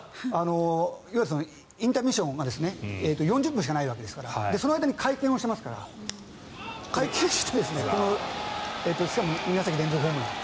いわゆるインターミッションが４０分しかないわけですからその間に会見をしてますから会見してしかも２打席連続ホームラン。